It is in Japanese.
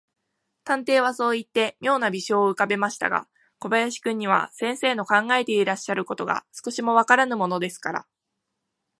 探偵はそういって、みょうな微笑をうかべましたが、小林君には、先生の考えていらっしゃることが、少しもわからぬものですから、